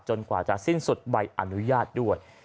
กว่าจะสิ้นสุดใบอนุญาตด้วย